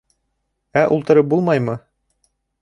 — Ә ултырып булмаймы?